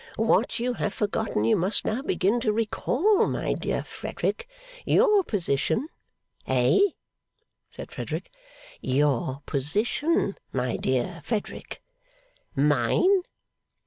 What you have forgotten you must now begin to recall, my dear Frederick. Your position ' 'Eh?' said Frederick. 'Your position, my dear Frederick.' 'Mine?